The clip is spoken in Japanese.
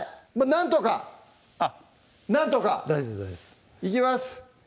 なんとかなんとか大丈夫です大丈夫ですいきます！